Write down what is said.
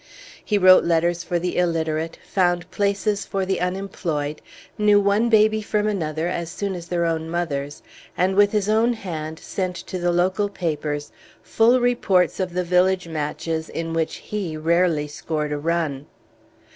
He wrote letters for the illiterate, found places for the unemployed, knew one baby from another as soon as their own mothers, and with his own hand sent to the local papers full reports of the village matches in which he rarely scored a run.